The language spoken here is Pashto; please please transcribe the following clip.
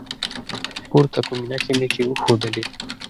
پورته کومې نښې مې چې وښودلي